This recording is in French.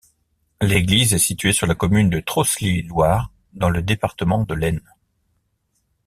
L'église est située sur la commune de Trosly-Loire, dans le département de l'Aisne.